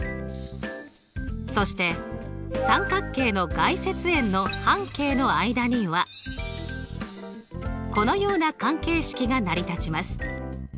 そして三角形の外接円の半径の間にはこのような関係式が成り立ちます。